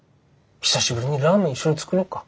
久しぶりにラーメン一緒に作ろうか。